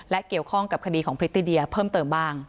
และเกี่ยวข้องกับคดีของพริตติเดียเพิ่มเติมบ้าง